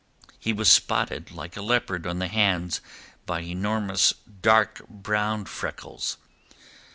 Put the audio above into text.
He was spotted like a leopard on the hands by enormous dark brown freckles.